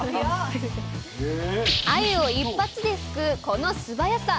あゆを一発ですくうこの素早さ！